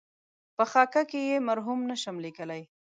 په خاکه کې یې مرحوم نشم لېکلای.